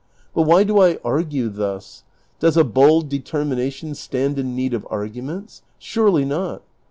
But why do I argue thus? Does a bold determination stand in need of arguments ? Surely not.